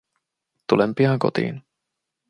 Tulen pian kotiin.